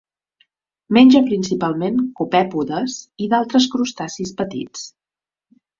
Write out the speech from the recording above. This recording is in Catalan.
Menja principalment copèpodes i d'altres crustacis petits.